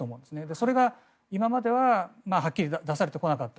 それが今までははっきり出されてこなかった。